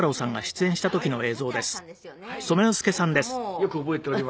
よく覚えております。